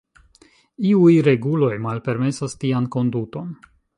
Iuj reguloj malpermesas tian konduton.